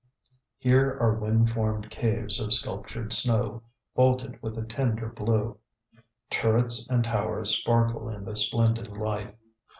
Here are wind formed caves of sculptured snow, vaulted with a tender blue. Turrets and towers sparkle in the splendid light.